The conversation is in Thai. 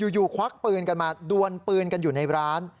ควักปืนกันมาดวนปืนกันอยู่ในร้าน